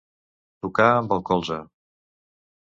Tocar amb el colze.